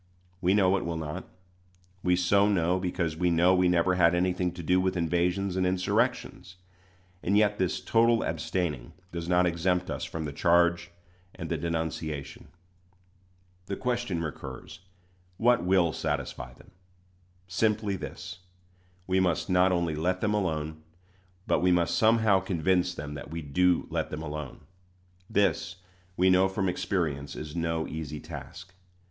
We know it will not. We so know, because we know we never had anything to do with invasions and insurrections; and yet this total abstaining does not exempt us from the charge and the denunciation. The question recurs, What will satisfy them? Simply this: we must not only let them alone, but we must somehow convince them that we do let them alone. This, we know by experience, is no easy task.